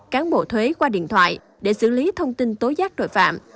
cán bộ thuế qua điện thoại để xử lý thông tin tối giác tội phạm